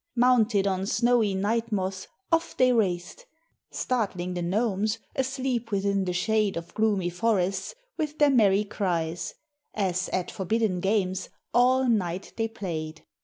Mounted on snowy night moths, off they raced, Startling the gnomes, asleep within the shade Of gloomy forests, with their merry cries, As at forbidden games all night they played.